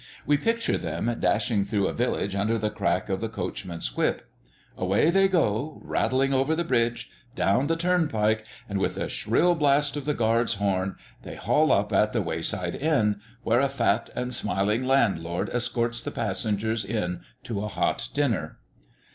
We picture them dashing through a village under the crack of the coachman's whip. Away they go, rattling over the bridge, down the turnpike, and with a shrill blast of the guard's horn, they haul up at the wayside inn, where a fat and smiling landlord escorts the passengers in to a hot dinner.